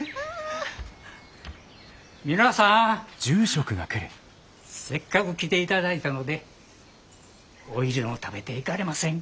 皆さんせっかく来ていただいたのでお昼でも食べていかれませんか？